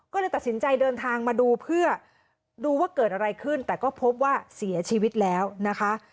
ก็เลยตัดสินใจเดินทางมาดูเพื่อดูว่าเกิดอะไรขึ้นแต่ก็พบว่าเสียชีวิตแล้วนะคะ